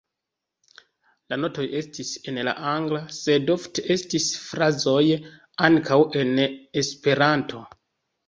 La notoj estis en la angla sed ofte estis frazoj ankaŭ en Esperanto.